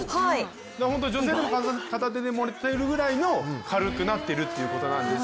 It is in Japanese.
女性でも片手で持てるぐらい軽くなってるということなんです。